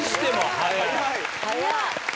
早い。